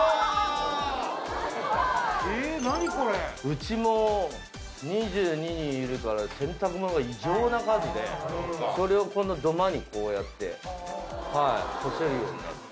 うちも２２人いるから洗濯物が異常な数でそれを土間にこうやって干せるようになる。